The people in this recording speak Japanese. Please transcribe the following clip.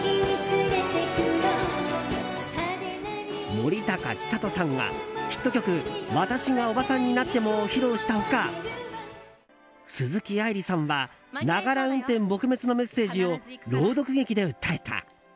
森高千里さんがヒット曲「私がオバさんになっても」を披露した他鈴木愛理さんはながら運転撲滅のメッセージを朗読劇で訴えた。